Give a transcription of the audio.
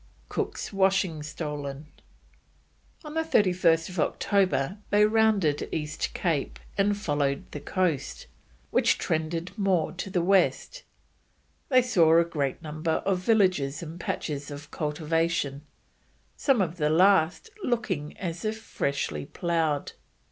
COOK'S WASHING STOLEN. On 31st October they rounded East Cape, and following the coast, which trended more to the west, they saw a great number of villages and patches of cultivation, some of the last looking as if freshly ploughed.